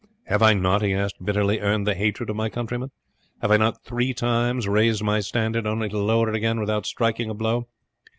Have I not," he asked bitterly, "earned the hatred of my countrymen? Have I not three times raised my standard only to lower it again without striking a blow?